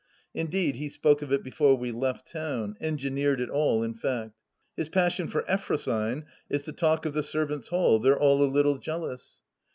Indeed, he spoke of it before we left town — engineered it all, in fact. His passion for Effrosyne is the talk of the servants' hall : they're all a little jealous.